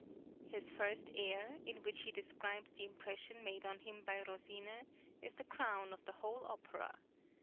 His first air (7), in which he describes the impression made on him by Rosine, is the crown of the whole opera.